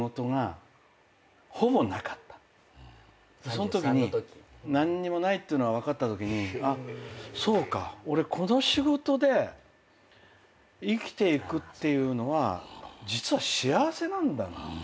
そのときに何にもないっていうのが分かったときにそうか俺この仕事で生きていくっていうのは実は幸せなんだな。